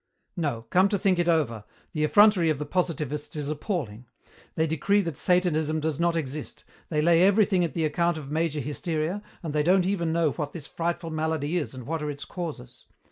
"No, come to think it over, the effrontery of the positivists is appalling. They decree that Satanism does not exist. They lay everything at the account of major hysteria, and they don't even know what this frightful malady is and what are its causes.